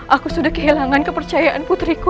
aku sudah kehilangan kepercayaan putriku